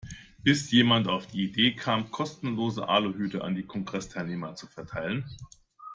Bis jemand auf die Idee kam, kostenlos Aluhüte an die Kongressteilnehmer zu verteilen.